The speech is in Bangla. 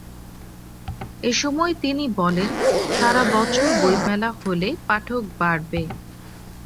এ সময় তিনি বলেন, সারা বছর বইমেলা হলে পাঠক বাড়বে।